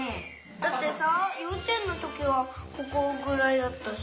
だってさようちえんのときはここぐらいだったし。